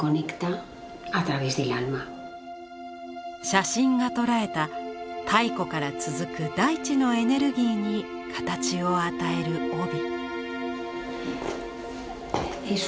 写真が捉えた太古から続く大地のエネルギーに形を与える帯。